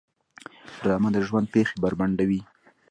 ډرامه د ژوند پېښې بربنډوي